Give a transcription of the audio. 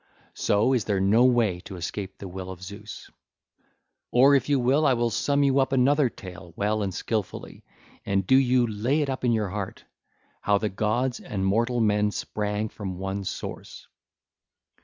So is there no way to escape the will of Zeus. (ll. 106 108) Or if you will, I will sum you up another tale well and skilfully—and do you lay it up in your heart,—how the gods and mortal men sprang from one source.